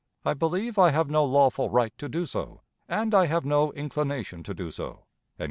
I believe I have no lawful right to do so, and I have no inclination to do so."